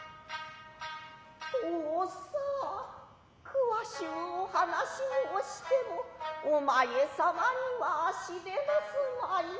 とさァ委しうお話し申してもお前様には知れますまい。